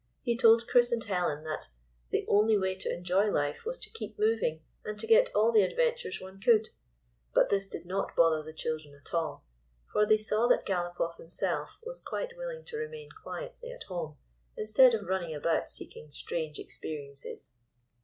He told Chris and Helen that " the only way to enjoy life was to keep moving and to get all the adventures one could." But this did not bother the children at all, for they saw that Galopoff himself was quite willing to remain quietly at home, instead of running about seek ing strange experiences.